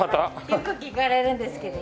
よく聞かれるんですけど。